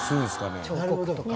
彫刻とか？